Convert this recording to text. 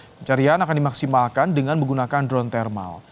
pencarian akan dimaksimalkan dengan menggunakan drone thermal